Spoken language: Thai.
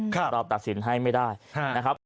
เราตัดสินให้ไม่ได้นะครับ